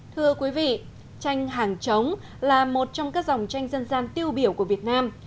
thưa quý vị tranh hàng chống là một trong các dòng tranh dân gian tiêu biểu của việt nam